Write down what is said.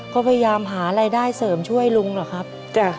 ก็พยายามหารายได้เสริมช่วยลุงเหรอครับจ้ะ